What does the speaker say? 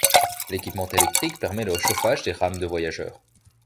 L'équipement électrique permet le chauffage des rames de voyageurs.